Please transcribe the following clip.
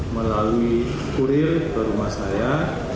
melalui kurir ke rumah saya